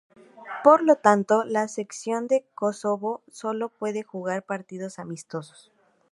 Por lo tanto la Selección de Kosovo solo puede jugar partidos amistosos.